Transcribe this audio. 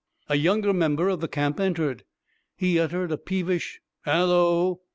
A younger member of the camp entered. He uttered a peevish "Halloo!"